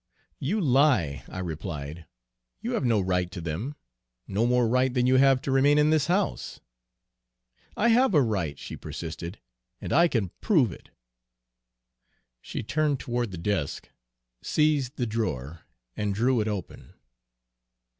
"'You lie,' I replied. 'You have no right to them, no more right than you have to remain in this house!' "'I have a right,' she persisted, 'and I can prove it!' "She turned toward the desk, seized the drawer, and drew it open.